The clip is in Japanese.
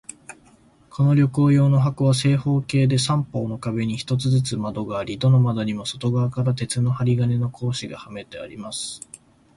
この旅行用の箱は、正方形で、三方の壁に一つずつ窓があり、どの窓にも外側から鉄の針金の格子がはめてあります。